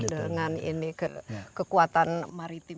dengan ini kekuatan maritim